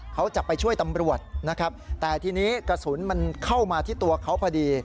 เขาจะไปช่วยตำรวจนะครับแต่ทีนี้กระสุนมันเข้ามาที่ตัวเขาพอดี